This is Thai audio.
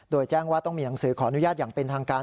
โดยแจ้งว่าต้องมีหนังสือขออนุญาตอย่างเป็นทางการ